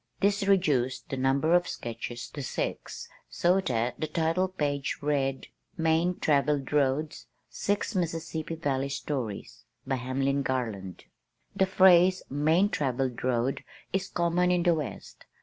This reduced the number of sketches to six so that the title page read: MAIN TRAVELLED ROADS Six Mississippi Valley Stories BY HAMLIN GARLAND The phrase "main travelled road" is common in the west.